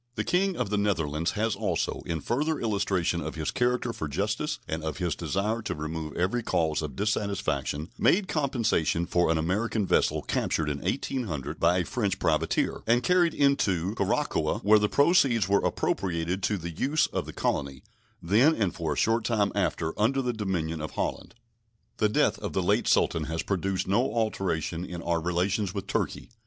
The King of the Netherlands has also, in further illustration of his character for justice and of his desire to remove every cause of dissatisfaction, made compensation for an American vessel captured in 1800 by a French privateer, and carried into Curacoa, where the proceeds were appropriated to the use of the colony, then, and for a short time after, under the dominion of Holland. The death of the late Sultan has produced no alteration in our relations with Turkey.